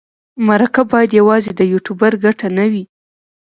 مرکه باید یوازې د یوټوبر ګټه نه وي.